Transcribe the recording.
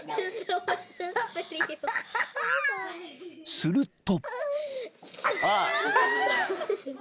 ［すると］